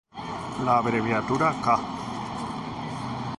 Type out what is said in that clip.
La abreviatura "ca.